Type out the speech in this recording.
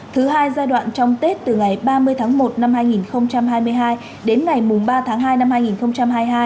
thứ hai giai đoạn trong tết từ ngày ba mươi tháng một năm hai nghìn hai mươi hai đến ngày ba tháng hai năm hai nghìn hai mươi hai